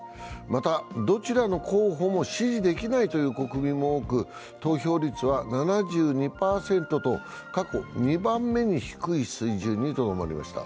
また、どちらの候補も支持できないという国民も多く、投票率は７２％と過去２番目に低い水準にとどまりました。